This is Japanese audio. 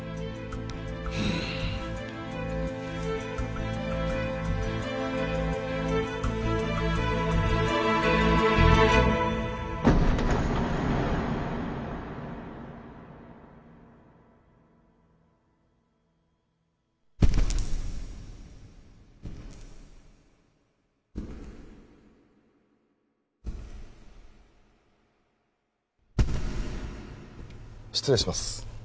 うん失礼します